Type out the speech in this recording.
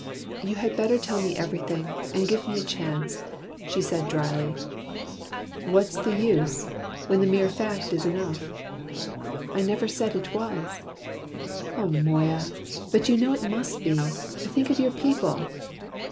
"You had better tell me everything, and give me a chance," she said dryly. "What's the use, when the mere fact is enough?" "I never said it was." "Oh, Moya, but you know it must be. Think of your people!"